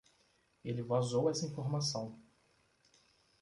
Ele vazou essa informação.